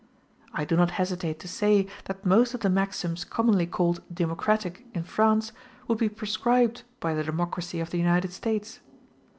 I do not hesitate to say that most of the maxims commonly called democratic in France would be proscribed by the democracy of the United States.